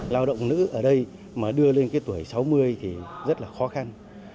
lao động nữ ở đây mà đưa lên cái tuổi sáu mươi thì rất là khó khăn